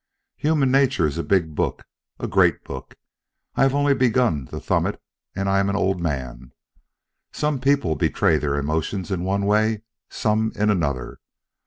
Human nature is a big book, a great book. I have only begun to thumb it, and I'm an old man. Some people betray their emotions in one way, some in another.